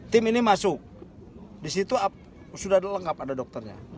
tim ini masuk disitu sudah lengkap ada dokternya